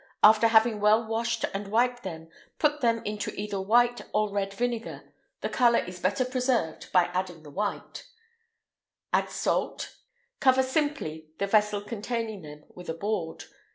After having well washed and wiped them, put them into either white or red vinegar (the colour is better preserved by using the white); add salt; cover simply the vessel containing them with a board.